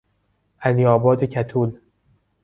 علیآباد کتول